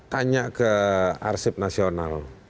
tanya ke arsip nasional